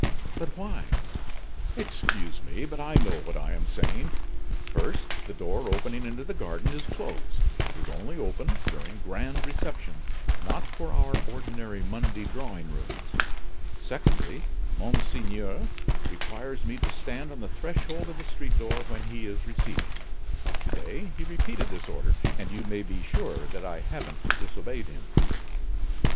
"But why?" "Excuse me, but I know what I am saying. First, the door opening into the garden is closed; it is only open during grand receptions, not for our ordinary Monday drawing rooms. Secondly, Monseigneur requires me to stand on the threshold of the street door when he is receiving. To day he repeated this order, and you may be sure that I haven't disobeyed him."